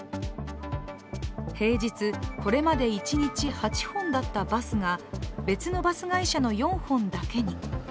平日、これまで１日８本だったバスが別のバス会社の４本だけに。